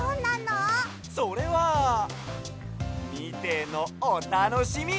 それはみてのおたのしみ！